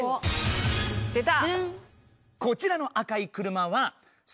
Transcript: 出た！